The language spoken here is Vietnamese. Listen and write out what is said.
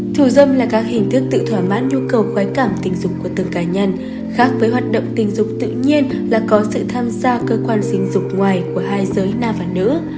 thù dâm là các hình thức tự thoả mãn nhu cầu khoái cảm tình dục của từng cá nhân khác với hoạt động tình dục tự nhiên là có sự tham gia cơ quan tình dục ngoài của hai giới nam và nữ